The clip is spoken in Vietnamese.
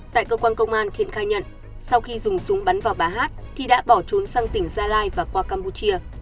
tại cơ quan công an thiện khai nhận sau khi dùng súng bắn vào bà hát thì đã bỏ trốn sang tỉnh gia lai và qua campuchia